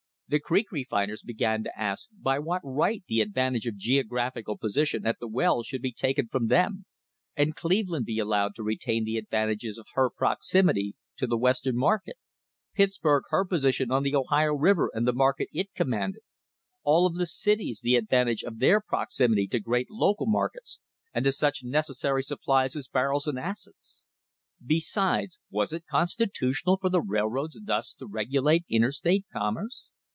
The creek refiners began to ask by what right the advantage of geographical position at the wells should be taken from them, and Cleveland be allowed to retain the advantages of her proximity to the Western market; Pittsburg her position on the Ohio River and the market it commanded; all of the cities the advantage of their proximity to great local markets and to such neces sary supplies as barrels and acids. Besides, was it constitu tional for the railroads thus to regulate interstate commerce?